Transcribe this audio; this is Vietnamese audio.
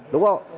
đúng không ạ